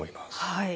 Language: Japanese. はい。